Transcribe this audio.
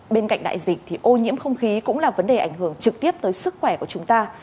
bên cạnh đại dịch thì ô nhiễm không khí cũng là vấn đề ảnh hưởng trực tiếp tới sức khỏe của chúng ta